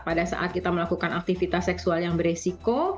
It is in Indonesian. pada saat kita melakukan aktivitas seksual yang beresiko